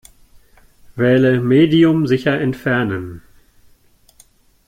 Wähle "Medium sicher entfernen".